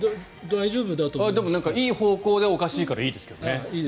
でも、いい方向でおかしいからいいですけどね。